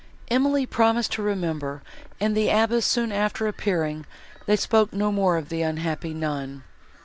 Emily promised to remember, and, the abbess soon after appearing, they spoke no more of the unhappy nun.